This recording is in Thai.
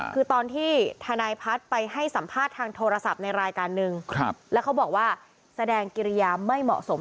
คือตอนที่ทนายพัฒน์ไปให้สัมภาษณ์ทางโทรศัพท์ในรายการนึงแล้วเขาบอกว่าแสดงกิริยาไม่เหมาะสม